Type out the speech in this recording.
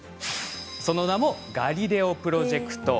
その名もガリレオプロジェクト。